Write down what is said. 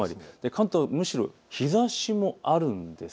関東はむしろ日ざしもあるんです。